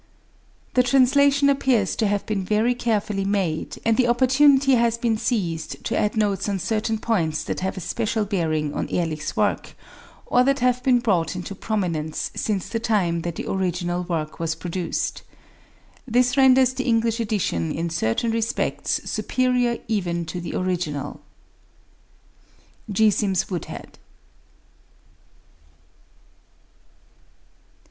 The translation appears to have been very carefully made, and the opportunity has been seized to add notes on certain points that have a special bearing on Ehrlich's work, or that have been brought into prominence since the time that the original work was produced. This renders the English edition in certain respects superior even to the original. G. SIMS WOODHEAD.